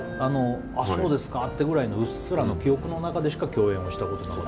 あ、そうですかくらいのうっすらの記憶の中でしか共演したことない。